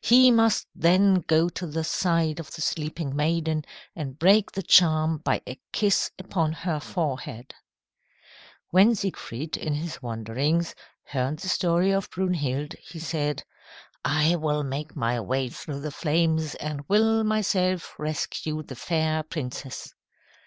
He must then go to the side of the sleeping maiden and break the charm by a kiss upon her forehead." When Siegfried, in his wanderings, heard the story of Brunhild, he said, "I will make my way through the flames and will myself rescue the fair princess."